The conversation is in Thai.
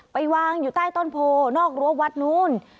ไปวางอยู่ใต้ต้นโพนอกรั้ววัดนู้น